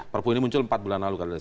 perpu ini muncul empat bulan lalu